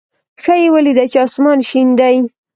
ښه یې ولېده چې اسمان شین دی.